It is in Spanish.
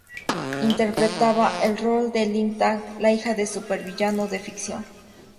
Interpretaba el rol de Lin Tang la hija del supervillano de ficción.